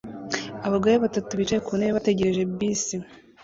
Abagore batatu bicaye ku ntebe bategereje bisi